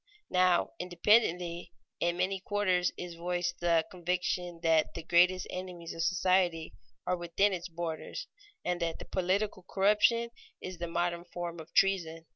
Now, independently, in many quarters is voiced the conviction that the greatest enemies of society are within its borders, and that political corruption is the modern form of treason.